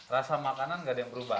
rasa makanan gak ada yang berubah